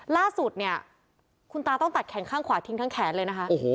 ล่าสุดเนี่ยคุณตาต้องตัดแขนข้างขวาทิ้งทั้งแขนเลยนะคะ